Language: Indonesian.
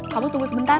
kamu tunggu sebentar